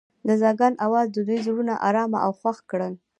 د ځنګل اواز د دوی زړونه ارامه او خوښ کړل.